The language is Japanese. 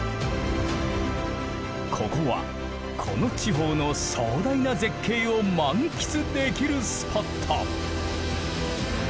ここはこの地方の壮大な絶景を満喫できるスポット！